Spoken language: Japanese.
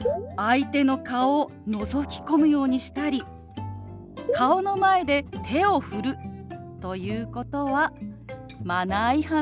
相手の顔をのぞき込むようにしたり顔の前で手を振るということはマナー違反なんです。